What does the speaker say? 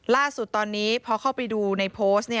ล่าสุดตอนนี้พอเข้าไปดูในโพสต์